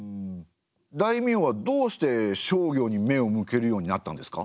大名はどうして商業に目を向けるようになったんですか？